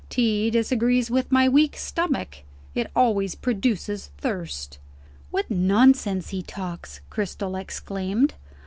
Tea disagrees with my weak stomach. It always produces thirst." "What nonsense he talks!" Cristel exclaimed.